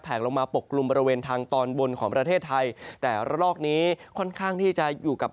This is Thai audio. ลงมาปกกลุ่มบริเวณทางตอนบนของประเทศไทยแต่ระลอกนี้ค่อนข้างที่จะอยู่กับ